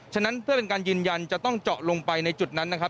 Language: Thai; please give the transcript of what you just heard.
นั้นเพื่อเป็นการยืนยันจะต้องเจาะลงไปในจุดนั้นนะครับ